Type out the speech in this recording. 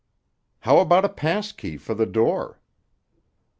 "How about a pass key for the door?"